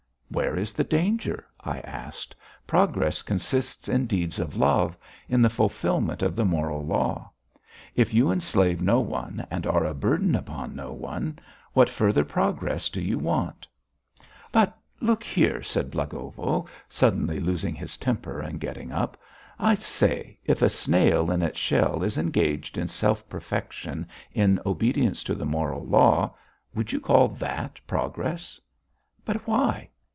"Where is the danger?" I asked. "Progress consists in deeds of love, in the fulfilment of the moral law. If you enslave no one, and are a burden upon no one, what further progress do you want?" "But look here!" said Blagovo, suddenly losing his temper and getting up. "I say! If a snail in its shell is engaged in self perfection in obedience to the moral law would you call that progress?" "But why?"